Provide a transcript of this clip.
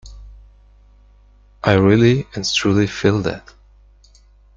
I really and truly feel that.